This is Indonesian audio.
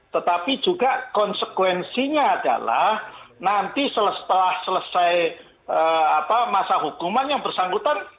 tetapi juga konsekuensinya adalah nanti setelah selesai masa hukuman yang bersangkutan